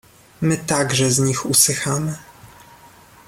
"my także z nich usychamy."